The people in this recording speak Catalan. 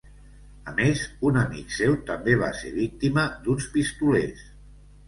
A més, un amic seu també va ser víctima d'uns pistolers.